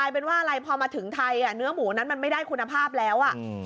พอมาถึงไทยเนื้อหมูไม่ได้คุณภาพแล้ว